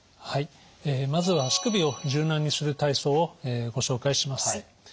はいまずは足首を柔軟にする体操をご紹介します。